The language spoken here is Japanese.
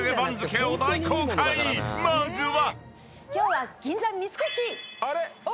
［まずは］